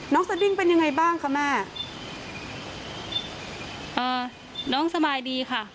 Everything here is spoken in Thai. น้องเซฟวิ่งเป็นยังไงบ้างคะแม่น้องสบายดีค่ะ